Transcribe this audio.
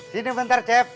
sini bentar cep